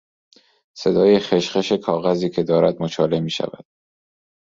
صدای خشخش کاغذی که دارد مچاله میشود